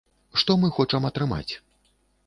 Што мы хочам атрымаць?